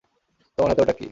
তোমার হাতে ওটা কি?